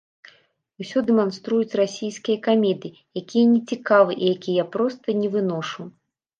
Усё дэманструюць расійскія камедыі, якія не цікавыя, і якія я проста не выношу.